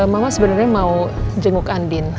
mama sebenarnya mau jenguk andin